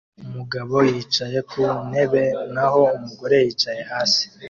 Umugabo yicaye ku ntebe naho umugore yicara hasi